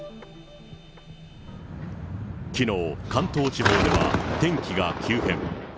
きのう、関東地方では天気が急変。